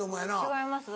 「違います？」。